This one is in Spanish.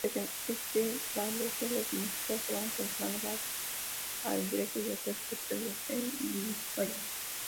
Desde este baluarte los Múgica acabaron controlando la anteiglesia y otros territorios de Vizcaya.